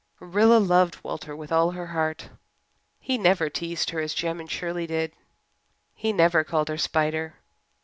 Rilla loved Walter with all her heart. He never teased her as Jem and Shirley did. He never called her "Spider."